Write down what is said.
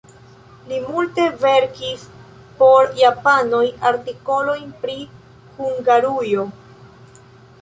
Li multe verkis por japanoj artikolojn pri Hungarujo.